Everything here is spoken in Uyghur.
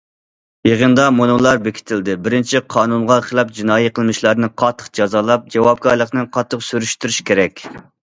يىغىندا مۇنۇلار بېكىتىلدى: بىرىنچى، قانۇنغا خىلاپ جىنايى قىلمىشلارنى قاتتىق جازالاپ، جاۋابكارلىقىنى قاتتىق سۈرۈشتۈرۈش كېرەك.